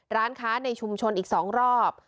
ร้านค้าในชุมชนอีก๒รอบ